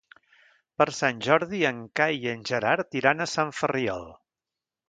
Per Sant Jordi en Cai i en Gerard iran a Sant Ferriol.